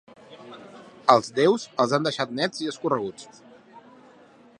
Els déus els han deixat nets i escorreguts.